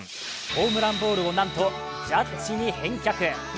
ホームランボールをなんとジャッジに返却。